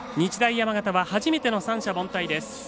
山形は初めての三者凡退です。